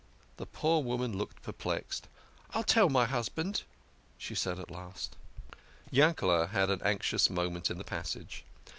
The poor woman looked perplexed. " I'll tell my hus band," she said at last. Yankel had an anxious moment in the passage.